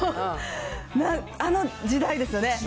あの時代ですよね。